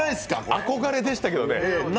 憧れでしたけどね。